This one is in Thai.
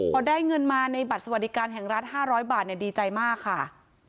พอได้เงินมาในบัตรสวัสดิการแห่งรัฐ๕๐๐บาทดีใจมากค่ะ